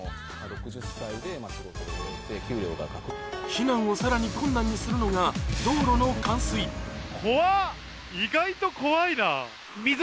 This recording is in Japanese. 避難をさらに困難にするのが意外と怖いな。